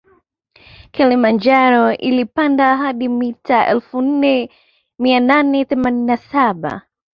Kilimanjaro inapanda hadi mita elfu nne mia nane themanini na saba